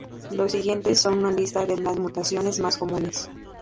Los siguientes son una lista de las mutaciones más comunes.